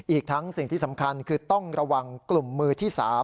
อีกทั้งสิ่งที่สำคัญคือต้องระวังกลุ่มมือที่๓